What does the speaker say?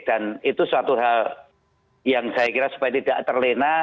dan itu suatu hal yang saya kira supaya tidak terlena